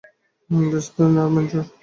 Best friend আর mentor.